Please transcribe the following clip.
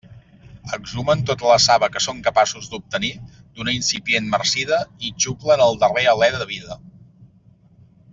Exhumen tota la saba que són capaços d'obtenir d'una incipient marcida i xuclen el darrer alé de vida.